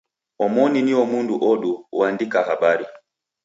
Omoni nio mndu odu oandika habari.